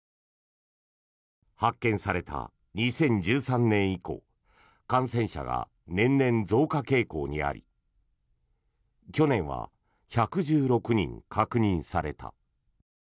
発見された２０１３年以降感染者が年々増加傾向にあり去年は１１６人確認された。